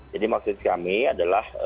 jadi maksud kami adalah